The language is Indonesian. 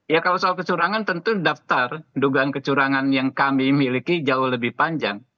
ya kalau soal kecurangan tentu daftar dugaan kecurangan yang kami miliki jauh lebih panjang